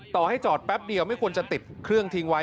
ต่อให้จอดแป๊บเดียวไม่ควรจะติดเครื่องทิ้งไว้